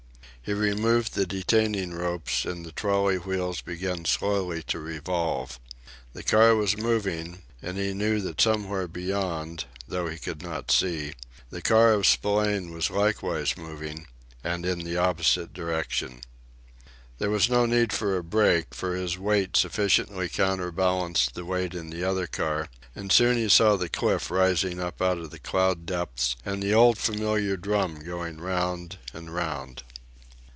He removed the detaining ropes, and the trolley wheels began slowly to revolve. The car was moving, and he knew that somewhere beyond, although he could not see, the car of Spillane was likewise moving, and in the opposite direction. There was no need for a brake, for his weight sufficiently counterbalanced the weight in the other car; and soon he saw the cliff rising out of the cloud depths and the old familiar drum going round and round.